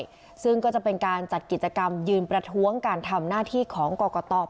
ซึ่งก็จะเป็นการจัดกิจกรรมยืนประท้วงการทำหน้าที่ของกรกต